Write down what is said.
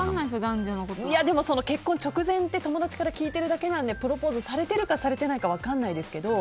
結婚直前って友達から聞いてるだけなのでプロポーズされてるかされてないか分からないですけど